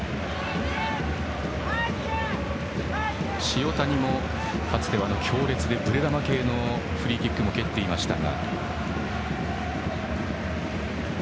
塩谷もかつては強烈でブレ球系のフリーキックも蹴っていました。